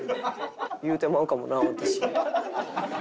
言うてまうかもな私。